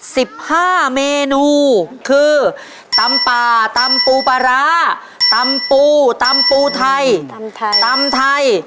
สิบห้าเมนูคือตำป่าตำปูปลาร้าตำปูตำปูไทยตำไทยตำไทย